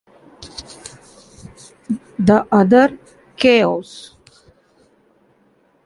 The other Chaos!